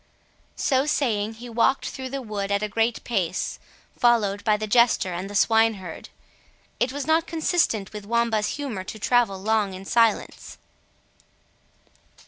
So saying, he walked through the wood at a great pace, followed by the jester and the swineherd. It was not consistent with Wamba's humour to travel long in silence.